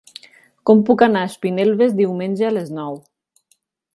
Com puc anar a Espinelves diumenge a les nou?